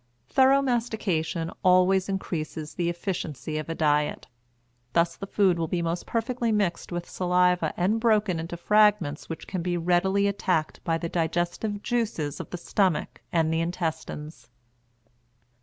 Thorough mastication always increases the efficiency of a diet. Thus the food will be most perfectly mixed with saliva and broken into fragments which can be readily attacked by the digestive juices of the stomach and the intestines.